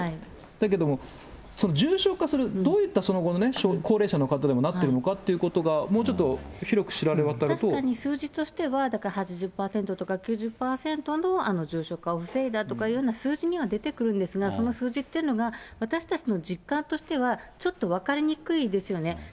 だけども、重症化する、どういった、その後のね、高齢者の方でもなってるのかということが、確かに数字としては、だから８０％とか、９０％の重症化を防いだというような数字には出てくるんですが、その数字っていうのが、私たちの実感としては、ちょっと分かりにくいですよね。